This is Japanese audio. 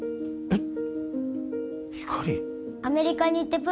えっ！？